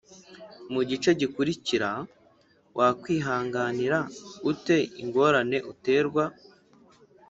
Mu gice gikurikira wakwihanganira ute ingorane uterwa